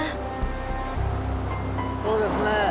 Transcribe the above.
そうですね。